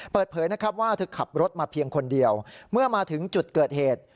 เปิดเผยนะครับว่าเธอขับรถมาเพียงคนเดียวเมื่อมาถึงจุดเกิดเหตุ